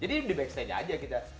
jadi di backstage aja kita